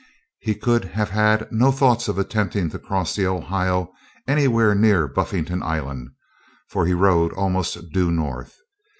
He could have had no thoughts of attempting to cross the Ohio anywhere near Buffington Island, for he rode almost due north.